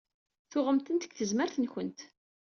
Tuɣemt-tent deg tezmert-nkent.